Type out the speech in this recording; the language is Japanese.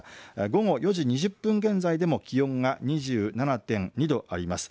午後４時２０分現在でも気温が２７．２度あります。